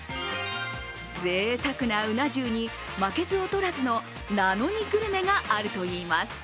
ぜいたくなうな重に負けず劣らずの「なのにグルメ」があるといいます。